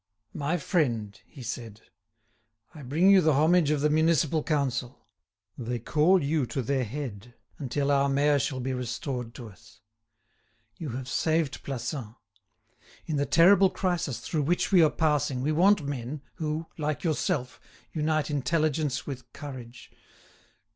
"My friend," he said, "I bring you the homage of the Municipal Council. They call you to their head, until our mayor shall be restored to us. You have saved Plassans. In the terrible crisis through which we are passing we want men who, like yourself, unite intelligence with courage.